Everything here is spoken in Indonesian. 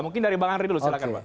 mungkin dari bang henry dulu